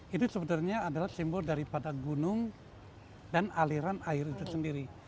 itu sebenarnya adalah simbol daripada gunung dan aliran air itu sendiri